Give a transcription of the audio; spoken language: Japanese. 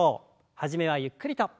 初めはゆっくりと。